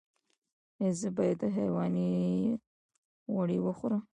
ایا زه باید د حیواني غوړي وخورم؟